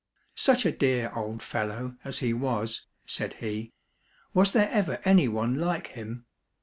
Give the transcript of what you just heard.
" Such a dear old fellow as he was !" said he ;" was there ever any one like him